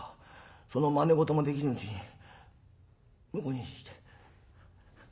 そのまね事もできぬうちに婿にして。